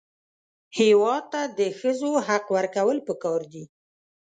هېواد ته د ښځو حق ورکول پکار دي